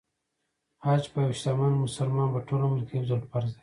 حج په یو شتمن مسلمان په ټول عمر کې يو ځل فرض دی .